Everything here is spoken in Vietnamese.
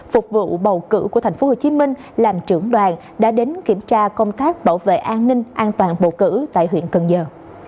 phục vụ bầu cử của tp hcm làm trưởng đoàn đã đến kiểm tra công tác bảo vệ an ninh an toàn bầu cử tại huyện cần giờ